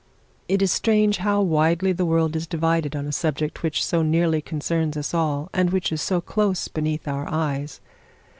It is strange how widely the world is divided on a subject which so nearly concerns us all, and which is so close beneath our eyes.